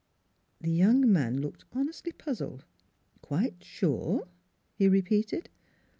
The young man looked honestly puzzled. " Quite sure " he repeated.